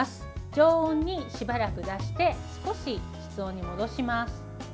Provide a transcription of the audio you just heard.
常温にしばらく出して少し室温に戻します。